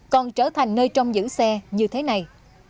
còn trở thành nơi trong giữ xe như thế này